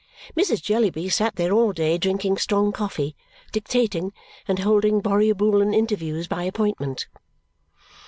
Mrs. Jellyby sat there all day drinking strong coffee, dictating, and holding Borrioboolan interviews by appointment.